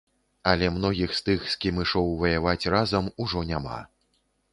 Але многіх з тых, з кім ішоў ваяваць разам, ужо няма.